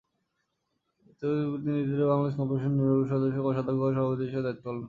তিনি ইতিপূর্বে বাংলাদেশ কম্পিউটার সমিতির নির্বাহী পরিষদের সদস্য, কোষাধ্যক্ষ ও সভাপতি হিসাবে দায়িত্ব পালন করেছেন।